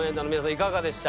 いかがでした？